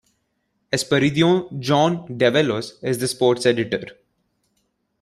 Esperidion "Jon" Develos is the sports editor.